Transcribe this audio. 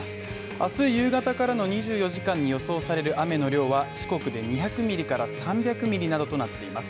明日夕方からの２４時間に予想される雨の量は四国で２００ミリから３００ミリなどとなっています。